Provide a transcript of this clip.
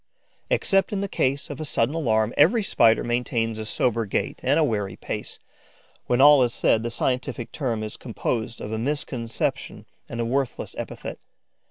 Except in the case of a sudden alarm, every Spider maintains a sober gait and a wary pace. When all is said, the scientific term is composed of a misconception and a worthless epithet.